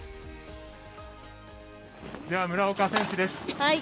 では、村岡選手です。